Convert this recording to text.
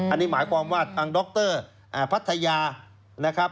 อันนี้หมายความว่าทางดรพัทตาญา